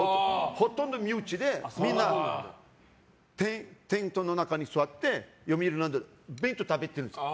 ほとんど身内でみんなテントの中に座ってよみうりランドで弁当食べてるんですよ。